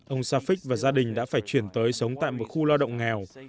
ông safik và gia đình đã phải chuyển tới sống tại một khu lo động nghèo